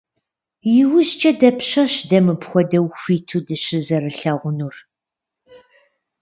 ИужькӀэ дапщэщ дэ мыпхуэдэу хуиту дыщызэрихьэлӀэнур?